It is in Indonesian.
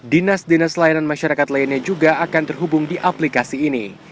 dinas dinas layanan masyarakat lainnya juga akan terhubung di aplikasi ini